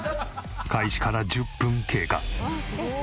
開始から１０分経過。